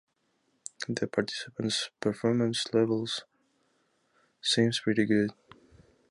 The participants’ performance levels seems pretty good.